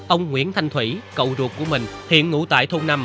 ông nguyễn thanh thủy cậu ruột của mình hiện ngụ tại thôn năm